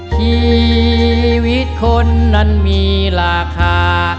ชีวิตคนนั้นมีราคา